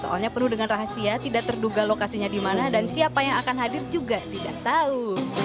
soalnya penuh dengan rahasia tidak terduga lokasinya di mana dan siapa yang akan hadir juga tidak tahu